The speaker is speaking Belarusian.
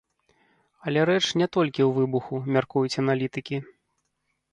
Але рэч не толькі ў выбуху, мяркуюць аналітыкі.